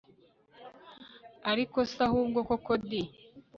ariko se ahubwo koko di!